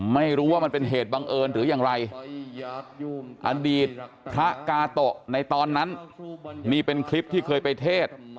ไม่รู้ว่ามันเป็นเหตุบังเอิญหรือยังไรอดีตพระกาโตะในตอนนั้นนี่เป็นคลิปที่เคยไปเทศ